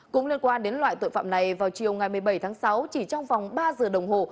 cũng liên quan đến loại tội phạm này vào chiều ngày một mươi bảy tháng sáu chỉ trong vòng ba giờ đồng hồ